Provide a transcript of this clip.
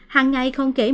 hằng ngày không kể mưa